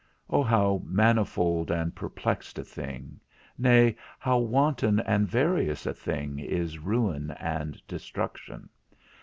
O how manifold and perplexed a thing, nay, how wanton and various a thing, is ruin and destruction!